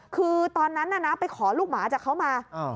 คือตอนนั้นน่ะนะไปขอลูกหมาจากเขามา